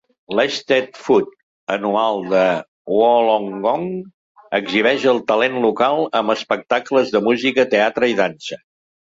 L'Eisteddfod anual de Wollongong exhibeix el talent local amb espectacles de música, teatre i dansa.